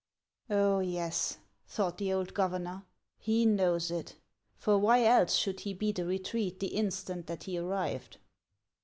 " Oh, yes," thought the old governor, " he knows it ; for why else should he beat a retreat the instant that he arrived